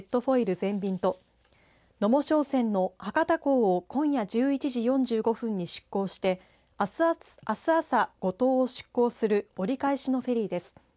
全便と野母商船の博多港を今夜１１時４５分に出向してあす朝、五島を出港する折り返しのフェリーです。